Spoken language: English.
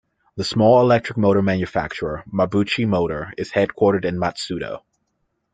The small electric motor manufacturer, Mabuchi Motor is headquartered in Matsudo.